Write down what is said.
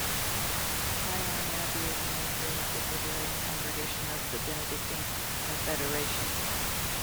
Scheyern Abbey is a member of the Bavarian Congregation of the Benedictine Confederation.